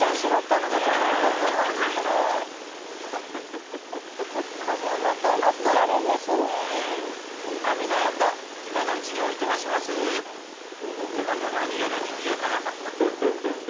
今のうちにおいとましますってまた何やらにぎやかな。